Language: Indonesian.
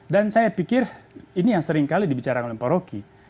dan saya pikir ini yang seringkali dibicarakan oleh paroki